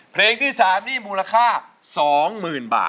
เพลงที่๓มูลค่าสองหมื่นบาท